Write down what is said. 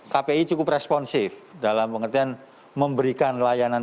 kpi cukup responsif dalam pengertian memberikan layanan